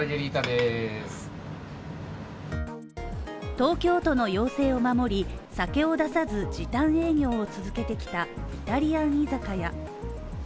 東京都の要請を守り酒を出さず時短営業を続けてきたイタリアン居酒屋。